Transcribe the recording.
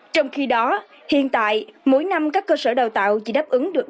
trong khi đó hiện tại mỗi năm các cơ sở đào tạo chỉ đáp ứng được năm mươi